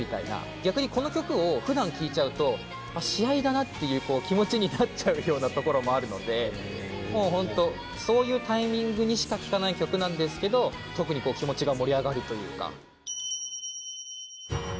逆にこの曲をふだん聴いちゃうと、試合だなっていう気持ちになっちゃうようなところもあるので、もう本当、そういうタイミングにしか聴かない曲なんですけど、特に気持ちが盛り上がるというか。